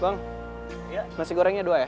bang ya nasi gorengnya dua ya